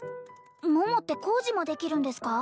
桃って工事もできるんですか？